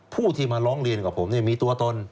ผู้ที่มาร้องเรียนกับผมมีตัวตน